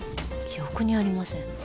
記憶にありません。